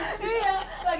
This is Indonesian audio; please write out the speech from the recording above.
jakarta bisa juga